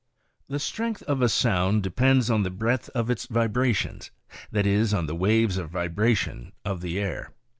The strength of a sound depends on the breadth of its vibra tions—that is, on the waves of vibration of the air.